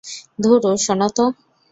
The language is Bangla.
ধুরো, শোনো তো!